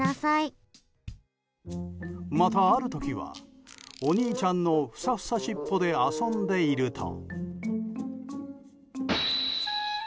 また、ある時はお兄ちゃんのふさふさ尻尾で遊んでいると。